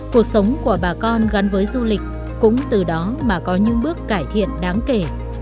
cuộc sống của bà con gắn với du lịch cũng từ đó mà có những bước cải thiện đáng kể